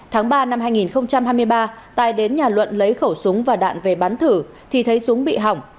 tháng ba năm hai nghìn hai mươi ba tài đến nhà luận lấy khẩu súng và đạn về bắn thử thì thấy súng bị hỏng